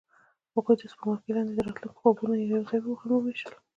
هغوی د سپوږمۍ لاندې د راتلونکي خوبونه یوځای هم وویشل.